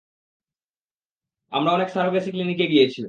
আমরা অনেক সারোগেসি ক্লিনিকে গিয়েছি।